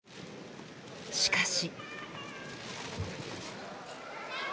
しかし。